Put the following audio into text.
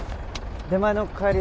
出前の帰り